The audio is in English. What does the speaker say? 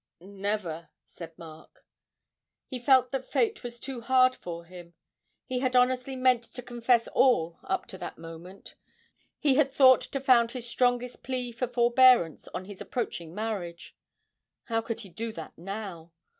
'Never,' said Mark. He felt that fate was too hard for him; he had honestly meant to confess all up to that moment, he had thought to found his strongest plea for forbearance on his approaching marriage. How could he do that now?